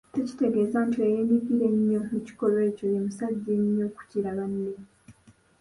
Tekitegeeza nti oyo eyeenyigira ennyo mu kikolwa ekyo ye musajja ennyo okukira banne.